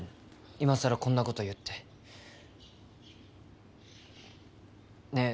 いまさらこんなこと言ってねえ